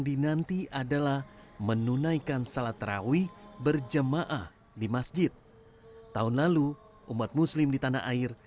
dinanti adalah menunaikan salat terawih berjemaah di masjid tahun lalu umat muslim di tanah air